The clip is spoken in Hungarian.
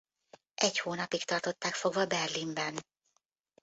Egy hónapig tartották fogva Berlinben.